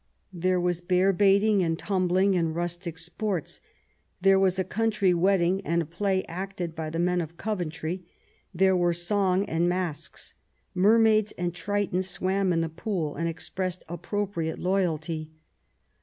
There was bear baiting, and tumbling, and rustic sports. There was a country wedding, and a play acted by the men of Coventry ; there were songs and masques, 158 QUEEN ELIZABETH. Mermaids and Tritons swam in the pool, and expressed appropriate loyalty.